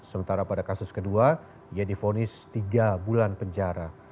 sementara pada kasus kedua ia difonis tiga bulan penjara